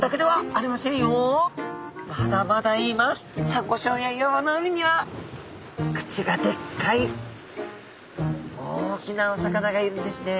サンゴしょうや岩場の海には口がでっかい大きなお魚がいるんですね。